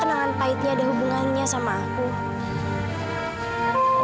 senangan pahitnya ada hubungannya sama aku